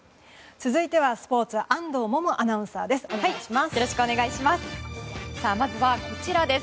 続いてはスポーツ安藤萌々アナウンサーです。